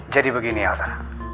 jadi begini elsa